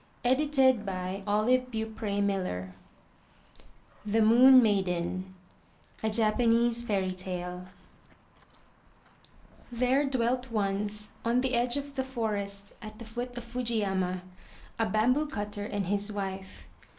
178 THROUGH FAIRY HALLS THE MOON MAIDEN A Japanese Fairy Tale There dwelt once on the edge of the forest at the foot of Fujiyama, a bamboo cutter and his wife.